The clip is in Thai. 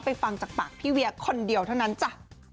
ฟังจากปากพี่เวียคนเดียวเท่านั้นจ้ะ